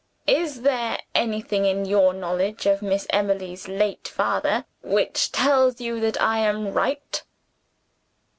Is there anything in your knowledge of Miss Emily's late father, which tells you that I am right?"